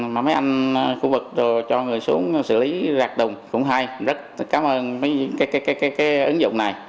mà mấy anh khu vực cho người xuống xử lý rạc đùng cũng hay rất cảm ơn cái ứng dụng này